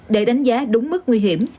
để đánh giá đúng mức nguy hiểm